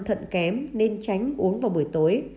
thận kém nên tránh uống vào buổi tối